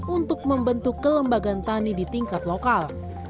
untuk membentuk kelembagaan tani di tingkat lokal